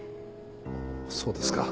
そうですか。